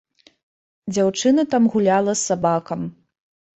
Дзяўчына там гуляла з сабакам.